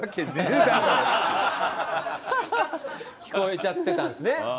聞こえちゃってたんですね